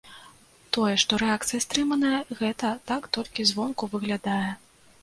Тое, што рэакцыя стрыманая, гэта так толькі звонку выглядае.